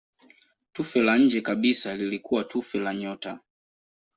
Tufe la nje kabisa lilikuwa tufe la nyota.